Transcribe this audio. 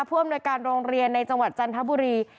เพิ่มโดยการโรงเรียนในจังหวัดจันทบุรี